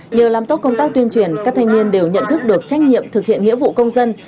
nhờ làm tốt công tác tuyên truyền các thanh niên đều nhận thức được trách nhiệm thực hiện nghĩa vụ công dân